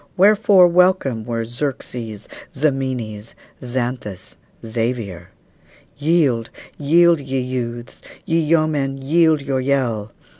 Wherefore welcome were Xerxes, Ximenes, Xanthus, Xavier? Yield, yield, ye youths! ye yeomen, yield your yell!